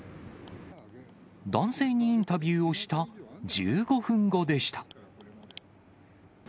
男性にインタビューをした１５分後でした。